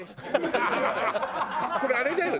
これあれだよね。